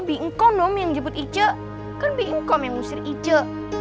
bingkong nom yang jemput ica kan bingkong yang ngusir ica